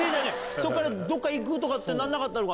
そこからどっか行くとかってなんなかったのか。